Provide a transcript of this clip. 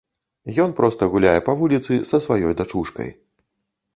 Ён проста гуляе па вуліцы са сваёй дачушкай.